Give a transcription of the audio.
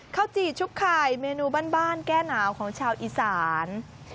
จีบชุบไข่เมนูบ้านแก้หนาวของชาวอีสาน